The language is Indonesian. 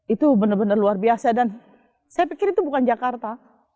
itu benar benar luar biasa dan saya pikir itu bukan jakarta